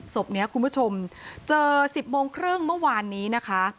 ศพนี้คุณผู้ชมเจอ๑๐โมงครึ่งเมื่อวานนี้นะคะ